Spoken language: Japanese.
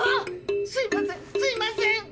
すいません！